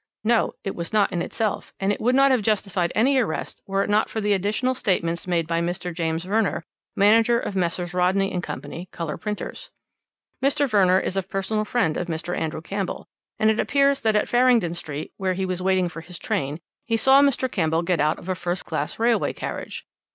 No, it was not in itself, and would not have justified any arrest were it not for the additional statements made by Mr. James Verner, manager of Messrs. Rodney & Co., colour printers. "Mr. Verner is a personal friend of Mr. Andrew Campbell, and it appears that at Farringdon Street, where he was waiting for his train, he saw Mr. Campbell get out of a first class railway carriage.